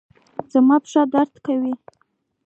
زما پښه درد کوي